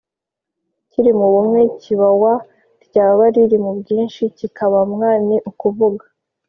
riri mu bumwe kiba wa, ryaba riri mu bwinshi kikaba mwa. Ni ukuvuga